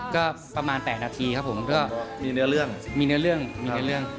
ก็ประมาณ๘นาทีครับผมก็มีเนื้อเรื่อง